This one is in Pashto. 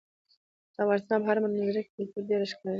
د افغانستان په هره منظره کې کلتور په ډېر ښکاره ډول لیدل کېږي.